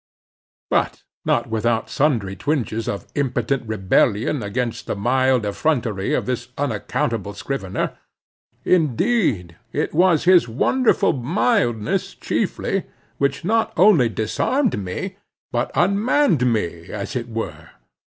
But not without sundry twinges of impotent rebellion against the mild effrontery of this unaccountable scrivener. Indeed, it was his wonderful mildness chiefly, which not only disarmed me, but unmanned me, as it were.